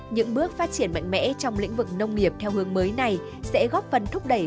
những bước phát triển mạnh mẽ trong lĩnh vực nông nghiệp theo hướng mới này sẽ góp phần thúc đẩy